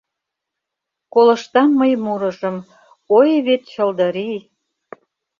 Колыштам мый мурыжым, Ой вет чылдырий!